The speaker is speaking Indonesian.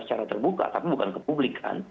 secara terbuka tapi bukan ke publik kan